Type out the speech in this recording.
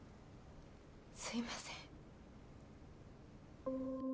すいません。